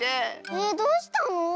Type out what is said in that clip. えっどうしたの？